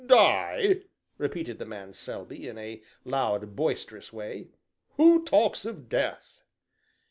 "Die!" repeated the man Selby, in a loud, boisterous way. "Who talks of death?"